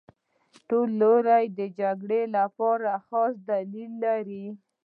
ټول لوري د جګړې لپاره خپل خاص دلایل لري